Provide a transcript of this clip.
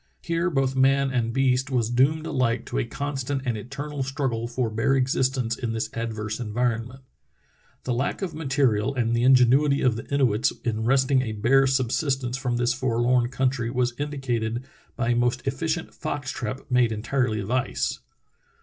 Here both man and beast was doomed alike to a constant and eternal struggle for bare existence in this adverse environment. The lack of material and the ingenuity of the Inuits in wresting a bare subsistence from this forlorn coun try was indicated by a most efficient fox trap made entirely of ice.